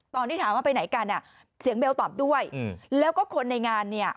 ตอนที่ถามว่าไปไหนกันอ่ะเสียงเบลตอบด้วยแล้วก็คนในงานเนี่ย